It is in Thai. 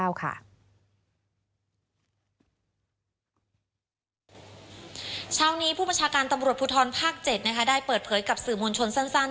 เช้านี้ผู้บัญชาการตำรวจภูทรภาค๗ได้เปิดเผยกับสื่อมวลชนสั้น